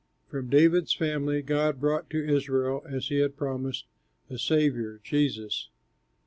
From David's family God brought to Israel, as he had promised, a Saviour, Jesus.